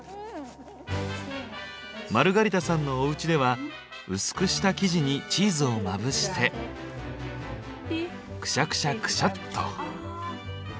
マルガリタさんのおうちでは薄くした生地にチーズをまぶしてクシャクシャクシャっと。